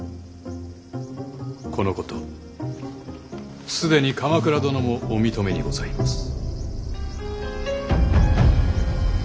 このこと既に鎌倉殿もお認めにございます。